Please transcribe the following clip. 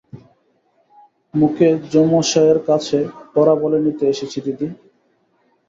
মুখুজ্যেমশায়ের কাছে পড়া বলে নিতে এসেছি দিদি।